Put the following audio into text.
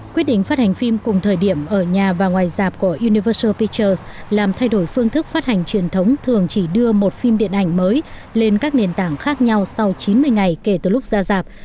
quyết định phát hành phim cùng thời điểm ở nhà và ngoài dạp của universal pitters làm thay đổi phương thức phát hành truyền thống thường chỉ đưa một phim điện ảnh mới lên các nền tảng khác nhau sau chín mươi ngày kể từ lúc ra dạp